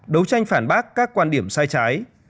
đấu tranh phản bác các quan điểm sai trái